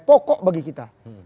pokok bagi kita